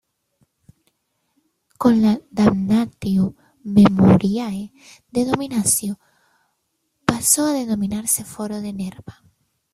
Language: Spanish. Con la "damnatio memoriae" de Domiciano, pasó a denominarse Foro de Nerva.